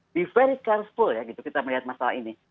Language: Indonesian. be very careful ya gitu kita melihat masalah ini